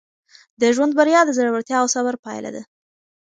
د ژوند بریا د زړورتیا او صبر پایله ده.